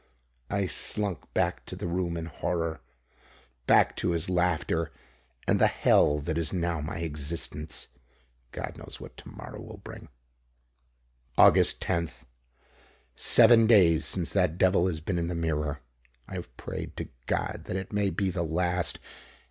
I slunk back to the room in horror. Back to his laughter and the hell that is now my existence. God knows what to morrow will bring! Aug. 10th. Seven days since that devil has been in the mirror. I have prayed to God that it may be the last.